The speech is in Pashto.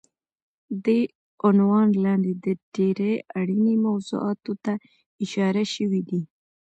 دې عنوان لاندې د ډېرې اړینې موضوعاتو ته اشاره شوی دی